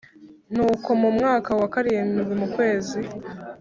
Nuko mu mwaka wa karindwi mu kwezi